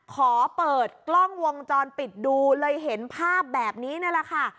ขอเปิดกล้องวงจรปิดดูเลยเห็นภาพแบบนี้นั่นแหละค่ะ